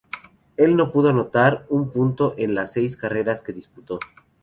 Él no pudo anotar un punto en las seis carreras que disputó.